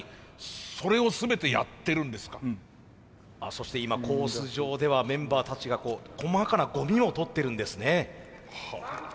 そして今コース上ではメンバーたちが細かなゴミを取ってるんですね。